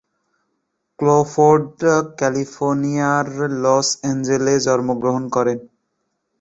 Crawford ক্যালিফোর্নিয়ার লস অ্যাঞ্জেলেসে জন্মগ্রহণ করেন।